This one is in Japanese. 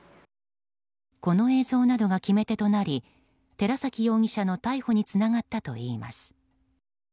この映像などが決め手となり寺崎容疑者の逮捕につながったといいます。